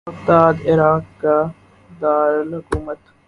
Baghdad Iraq کا دار الحکومت